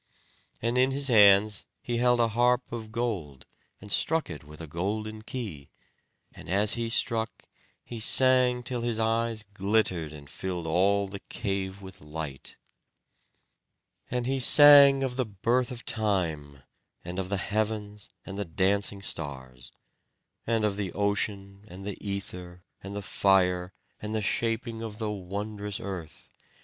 And in his hands he held a harp of gold, and struck it with a golden key; and as he struck, he sang till his eyes glittered, and filled all the cave with light. And he sang of the birth of Time, and of the heavens and the dancing stars; and of the ocean, and the ether, and the fire, and the shaping of the wondrous earth.